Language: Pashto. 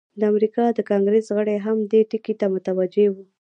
د امریکا د کانګریس غړي هم دې ټکي ته متوجه وو.